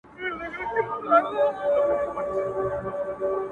o د شنو خالونو د ټومبلو کيسه ختمه نه ده ـ